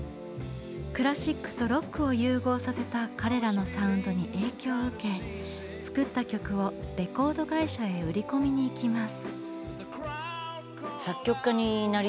クラシックとロックを融合させた彼らのサウンドに影響を受け作った曲をレコード会社へ売り込みに行きます。